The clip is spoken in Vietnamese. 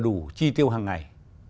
đủ chi tiêu hằng ngày